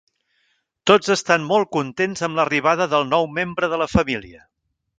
Tots estan molt contents amb l'arribada del nou membre de la família.